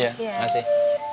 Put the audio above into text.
iya terima kasih